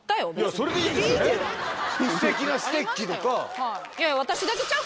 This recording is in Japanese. すてきなステッキとか。